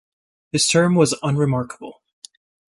His term was unremarkable.